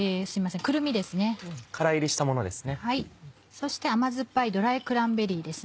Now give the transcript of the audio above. そして甘酸っぱいドライクランベリーです。